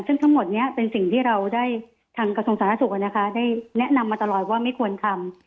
ซึ่งทั้งหมดนี้เป็นสิ่งที่เราได้ทางกระทรวงสาธารณสุขได้แนะนำมาตลอดว่าไม่ควรทำ